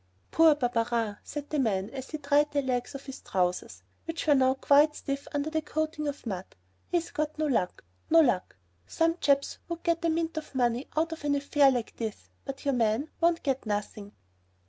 "Poor Barberin," said the man as he dried the legs of his trousers, which were now quite stiff under the coating of mud, "he's got no luck, no luck! Some chaps would get a mint o' money out of an affair like this, but your man won't get nothing!"